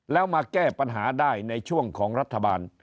แล้วมาแก้ปัญหาได้ในช่วงของรัฐบาล